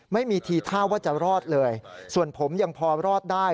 ไม่มีทีท่าว่าจะรอดเลยส่วนผมยังพอรอดได้